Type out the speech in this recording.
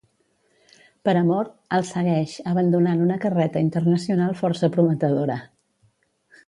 Per amor, el segueix, abandonant una carreta internacional força prometedora.